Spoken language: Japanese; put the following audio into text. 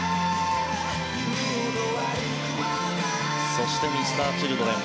そして、Ｍｒ．Ｃｈｉｌｄｒｅｎ